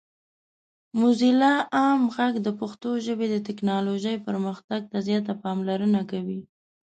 موزیلا عام غږ د پښتو ژبې د ټیکنالوجۍ پرمختګ ته زیاته پاملرنه کوي.